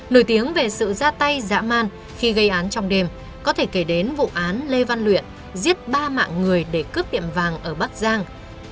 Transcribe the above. nổi tiếng về sự ra tay dã man khi gây án trong đêm có thể kể đến vụ án lê văn luyện giết ba mạng người để cướp tiệm vàng ở bắc giang